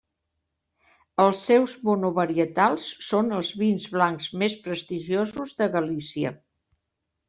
Els seus monovarietals són els vins blancs més prestigiosos de Galícia.